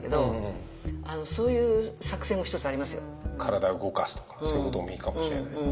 体を動かすとかそういうこともいいかもしれない。